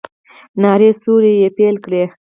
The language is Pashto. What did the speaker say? نارې سورې يې پيل کړې.